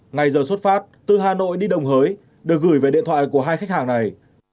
ngày giờ xuất phát từ hà nội đi đồng hới được gửi về điện thoại của hai khách hàng này